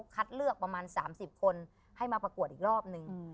คัดเลือกประมาณ๓๐คนให้มาประกวดอีกรอบนึง